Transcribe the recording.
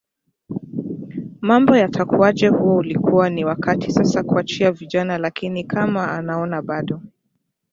mambo yatakuaje huo ulikuwa ni wakti sasa kuachia vijana lakini kama anaona bado